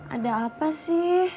ada apa sih